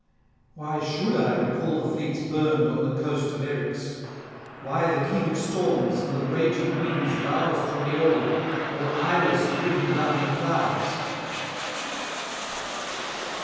Why should I recall the fleets burned on the coast of Eryx? why the king of storms, and the raging winds roused from Aeolia, or Iris driven down the clouds?